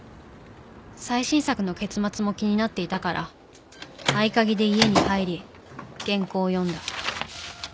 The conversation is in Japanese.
最新作の結末も気になっていたから合鍵で家に入り原稿を読んだ。